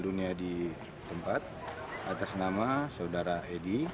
edy menempatkan mobil dunia di tempat atas nama saudara edy